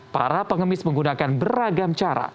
para pengemis menggunakan beragam cara